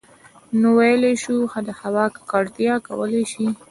نـو ٫ويلـی شـوو د هـوا ککـړتـيا کـولی شـي